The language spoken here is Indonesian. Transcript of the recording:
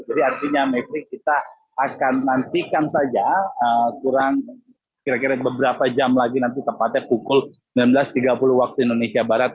jadi artinya mepri kita akan nantikan saja kurang kira kira beberapa jam lagi nanti tempatnya pukul sembilan belas tiga puluh waktu indonesia barat